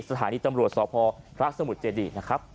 สถานีตำรวจสภครักษ์สมุทรเจดดี